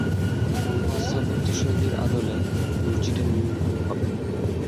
মুঘল স্থাপত্যশৈলীর আদলে মসজিদটি নির্মাণ করা হবে।